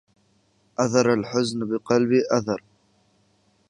أثر الحزن بقلبي أثرا